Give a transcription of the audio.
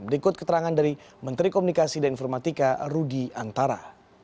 berikut keterangan dari menteri komunikasi dan informatika rudi antara